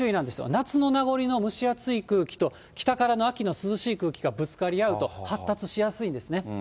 夏の名残の蒸し暑い空気と、北からの秋の涼しい空気がぶつかり合うと、発達しやすいんですね。